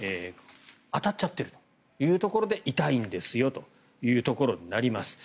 当たっちゃってるというところで痛いんですよというところになります。